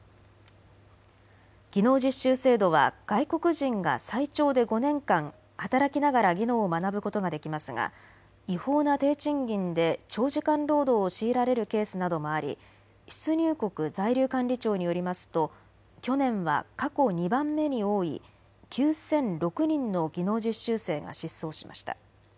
技能実習制度は外国人が最長で５年間働きながら技能を学ぶことができますが違法な低賃金で長時間労働を強いられるケースなどもあり出入国在留管理庁によりますと去年は過去２番目に多い９００６人の技能実習生が失踪しました。